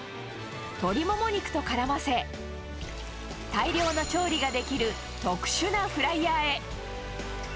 鶏モモ肉とからませ、大量の調理ができる特殊なフライヤーへ。